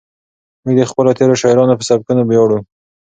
موږ د خپلو تېرو شاعرانو په سبکونو ویاړو.